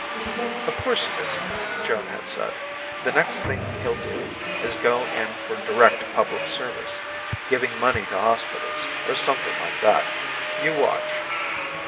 "Of course it isn't," Joan had said. "The next thing he'll do is go in for direct public service giving money to hospitals or something like that. You watch."